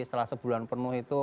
setelah sebulan penuh itu